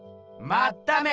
まっため！